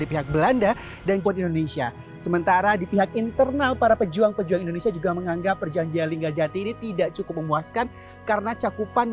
paddoing mother obras yang diu campus laptop